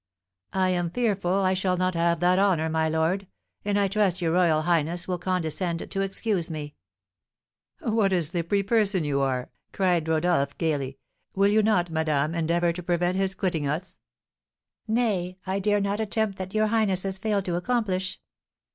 "I am fearful I shall not have that honour, my lord; and I trust your royal highness will condescend to excuse me." "What a slippery person you are!" cried Rodolph, gaily. "Will you not, madame, endeavour to prevent his quitting us?" "Nay, I dare not attempt that your highness has failed to accomplish."